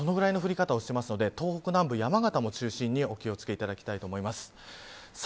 そのぐらいの降り方をしているので東北南部、山形も気を付けていただきたいと思います。